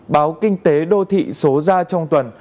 báo kinh tế đô thị số ra trong tuần